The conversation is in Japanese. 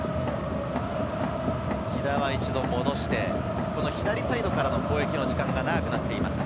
喜田は一度戻して、左サイドからの攻撃の時間が長くなっています。